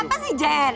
gimana sih jen